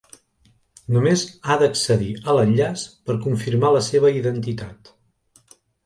Només ha d'accedir a l'enllaç per confirmar la seva identitat.